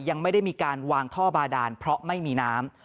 ยังไม่ได้มีการวางท่อบาดานเพราะไม่มีน้ำ